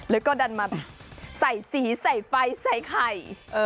แล้วก็ดันมาแบบใส่สีใส่ไฟใส่ไข่